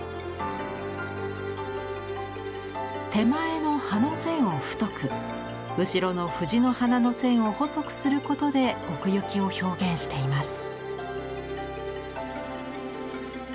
手前の葉の線を太く後ろの藤の花の線を細くすることで奥行きを表現しています。